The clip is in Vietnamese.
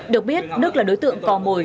được biết đức là đối tượng cò mồi